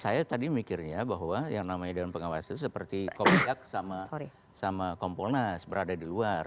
saya tadi mikirnya bahwa yang namanya dewan pengawas itu seperti komdak sama kompolnas berada di luar